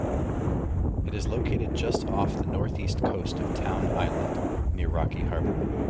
It is located just off the northeast coast of Town Island near Rocky Harbour.